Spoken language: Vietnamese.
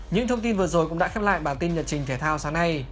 những thông tin vừa rồi cũng đã khép lại bản tin nhật trình thể thao sáng nay